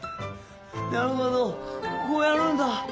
なるほどこうやるんだ。